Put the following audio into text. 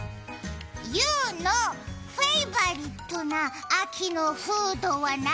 ユーのフェイバリットな秋のフードは何？